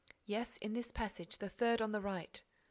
"Yes, in this passage, the third on the right."